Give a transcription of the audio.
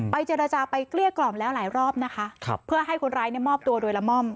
เจรจาไปเกลี้ยกล่อมแล้วหลายรอบนะคะครับเพื่อให้คนร้ายเนี่ยมอบตัวโดยละม่อม